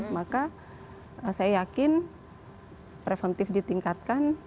maka saya yakin preventif ditingkatkan